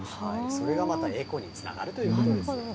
それがまたエコにつながるということですね。